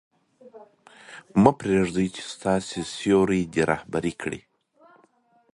مه پرېږده چې ستا سیوری دې رهبري کړي.